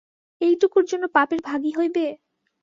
এইটুকুর জন্য পাপের ভাগী হইবে?